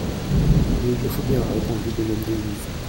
Mais il le faut bien, répondit de même Denise.